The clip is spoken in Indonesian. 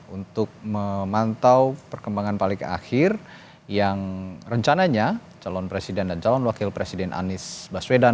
untuk memantau perkembangan paling akhir yang rencananya calon presiden dan calon wakil presiden anies baswedan